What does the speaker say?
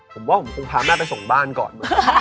ผมว่าผมคงพาแม่ไปส่งบ้านก่อน